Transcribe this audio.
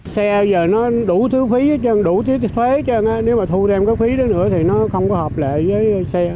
xe giờ nó đủ thứ phí hết trơn đủ thứ thuế hết trơn nếu mà thu thêm cái phí đó nữa thì nó không có hợp lệ với xe